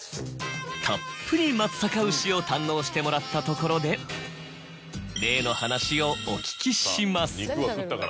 たっぷり松阪牛を堪能してもらったところで例の話をお聞きします。